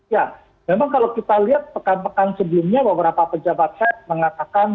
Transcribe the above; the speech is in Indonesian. ya memang kalau kita lihat pekan pekan sebelumnya beberapa pejabat set mengatakan